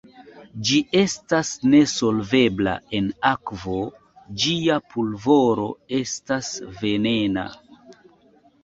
Ĝi estas nesolvebla en akvo, ĝia pulvoro estas venena.